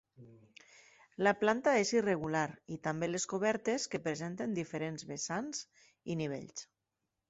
La planta és irregular i també les cobertes que presenten diferents vessants i nivells.